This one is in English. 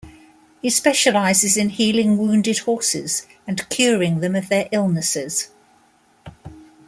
He specialises in healing wounded horses and curing them of their illnesses.